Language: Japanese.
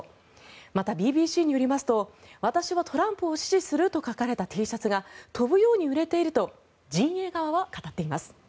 また、ＢＢＣによりますと私はトランプ氏を支持すると書かれたＴシャツが飛ぶように売れていると陣営側は語っています。